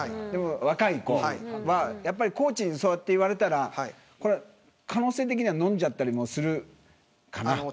でも、若い子はやっぱりコーチにそうやって言われたら可能性的には飲んじゃったりもするかな。